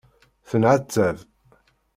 Tenεettab.